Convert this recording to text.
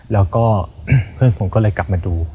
แล้วก็เพื่อนผมก็เลยกลับมาดู